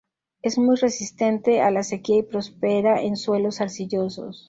Es muy resistente a la sequía y prospera en suelos arcillosos.